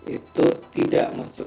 itu tidak masuk